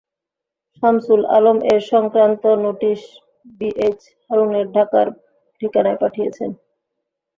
সামছুল আলম এ সংক্রান্ত notice B H হারুনের ঢাকার ঠিকানায় পাঠিয়েছেন।